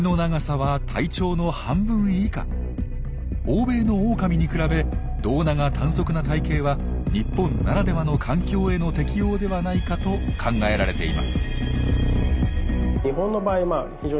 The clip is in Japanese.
欧米のオオカミに比べ胴長短足な体型は日本ならではの環境への適応ではないかと考えられています。